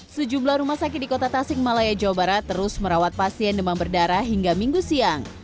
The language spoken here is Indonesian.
sejumlah rumah sakit di kota tasik malaya jawa barat terus merawat pasien demam berdarah hingga minggu siang